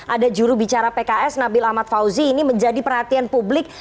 ada jurubicara pks nabil ahmad fauzi ini menjadi perhatian publik